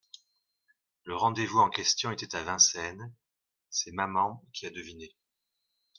Le rendez-vous en question était à Vincennes ; c'est maman qui a deviné.